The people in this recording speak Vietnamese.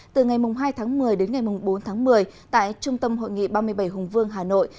từ ngày hai tháng một mươi đến ngày bốn tháng một mươi tại trung tâm hội nghị ba mươi bảy hùng vương hà nội